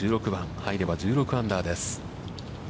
入れば１６アンダーです。